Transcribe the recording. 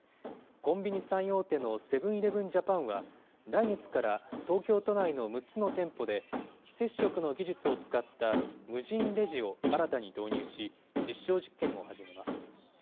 コンビニ最大手のセブン−イレブン・ジャパンは、来月から、東京都内の６つの店舗で、非接触の技術を使った無人レジを新たに導入し、実証実験を始めます。